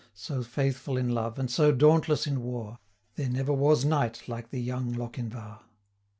So faithful in love, and so dauntless in war, There never was knight like the young Lochinvar.